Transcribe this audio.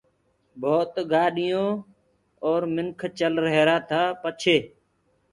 ڀوت گآڏِيونٚ آئينٚ منک چل ريهرآ تآ پڇي